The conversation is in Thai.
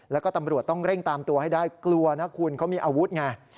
แล้วก็ตำรวจต้องเร่งตามตัวให้ได้กลัวนะคุณเขามีอาวุธไง